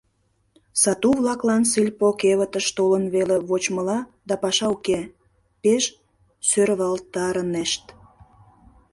Сату-влаклан сельпо кевытыш толын веле вочмыла да паша уке, — пеш сӧрвалтарынешт.